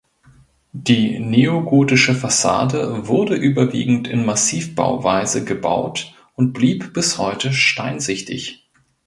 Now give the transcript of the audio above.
Die neogotische Fassade wurde überwiegend in Massivbauweise gebaut und blieb bis heute steinsichtig.